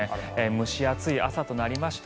蒸し暑い朝となりました。